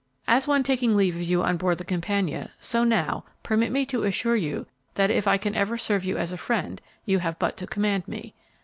"As when taking leave of you on board the 'Campania,' so now, permit me to assure you that if I can ever serve you as a friend, you have but to command me.